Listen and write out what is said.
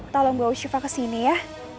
tolong bawa siva kesini ya